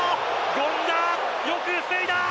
権田、よく防いだ！